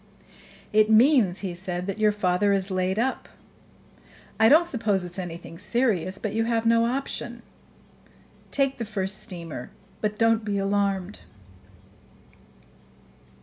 "It means," he said, "that your father is laid up. I don't suppose it's anything serious; but you have no option. Take the first steamer; but don't be alarmed."